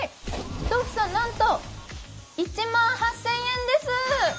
１房なんと１万８０００円です！